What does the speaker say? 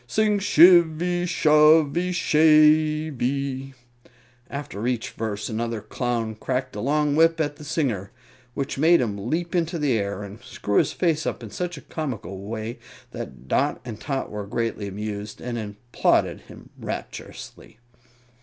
Sing shivvy, shovvy, shavey! After each verse another Clown cracked a long whip at the singer, which made him leap into the air and screw his face up in such a comical way that Dot and Tot were greatly amused, and applauded him rapturously.